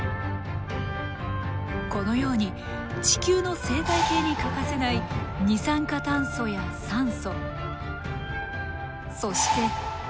このように地球の生態系に欠かせない二酸化炭素や酸素そして窒素。